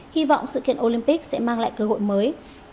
hy vọng sự kiện olympic sẽ mang lại cơ hội mới